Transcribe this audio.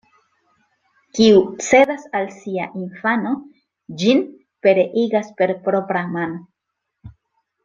Kiu cedas al sia infano, ĝin pereigas per propra mano.